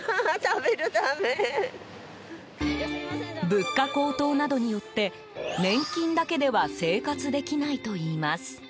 物価高騰などによって年金だけでは生活できないといいます。